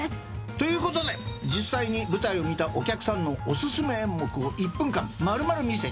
ということで実際に舞台を見たお客さんのお薦め演目を１分間丸々見せちゃう。